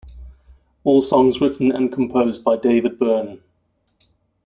All songs written and composed by David Byrne.